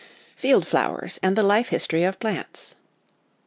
Field Flowers and the Life History of Plants.